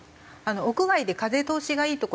屋外で風通しがいい所